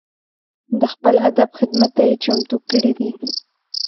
د خپل ادب خدمت ته یې چمتو کړي دي.